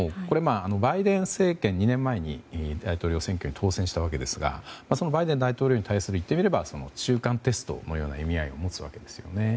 バイデン政権は２年前に大統領選挙で当選したわけですがそのバイデン大統領に対する言ってみれば中間テストのような意味合いを持つわけですよね。